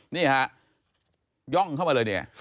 นี่ฮะย่องเข้ามาเลยเนี่ย